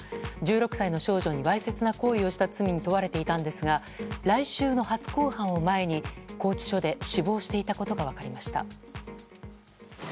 １６歳の少女にわいせつな行為をした罪に問われていたんですが来週の初公判を前に拘置所で死亡していたことが分かりました。